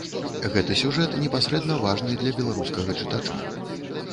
Гэты сюжэт непасрэдна важны для беларускага чытача.